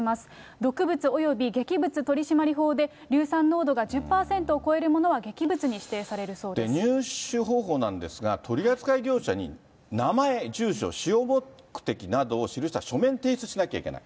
毒物及び劇物取締法で硫酸濃度が１０％を超えるものは劇物に指定入手方法なんですが、取り扱い業者に名前、住所、使用目的などを記した書面、提出しなきゃいけない。